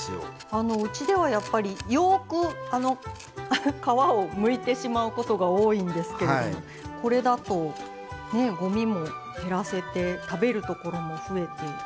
あのうちではやっぱりよく皮をむいてしまうことが多いんですけれどもこれだとねえごみも減らせて食べるところも増えていいですね。